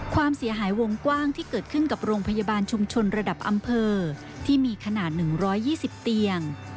ความเสียหายวงกว้างที่เกิดขึ้นกับโรงพยาบาลชุมชนระดับอำเภอที่มีขนาด๑๒๐เตียง